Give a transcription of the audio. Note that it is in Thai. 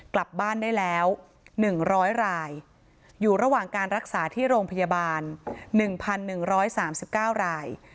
กลับบ้านได้แล้ว๑๐๐รายอยู่ระหว่างการรักษาที่โรงพยาบาล๑๑๓๙ราย